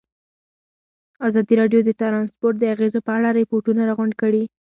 ازادي راډیو د ترانسپورټ د اغېزو په اړه ریپوټونه راغونډ کړي.